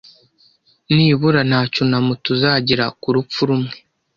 nibura nta cyunamo tuzagira k urupfu rumwe